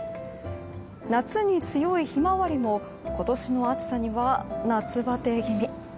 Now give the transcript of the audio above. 夏に強いヒマワリも今年の暑さには夏バテ気味。